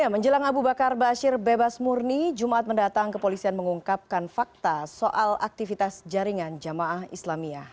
menjelang abu bakar bashir bebas murni jumat mendatang kepolisian mengungkapkan fakta soal aktivitas jaringan jamaah islamiyah